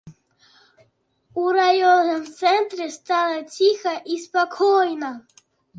У раённым цэнтры стала ціха і спакойна.